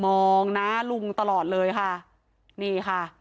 มองหน้าลุงตลอดเลยค่ะนี่ค่ะ